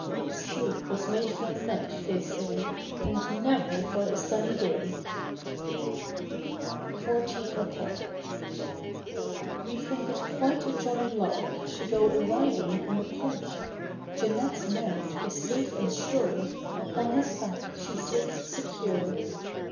Sleep was made for night, they say. And never for a sunny day! 29 THIRTEEN O'CLOCK 31 FOURTEEN O'CLOCK W E think it quite a jolly lark To go a riding in the park. Jeanette's mount is safe and sure, Upon his back she sits secure.